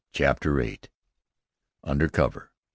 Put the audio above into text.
CHAPTER VIII UNDER COVER I.